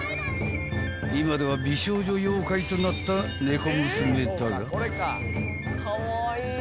［今では美少女妖怪となったねこ娘だが］